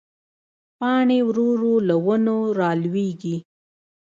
پاڼې ورو ورو له ونو رالوېږي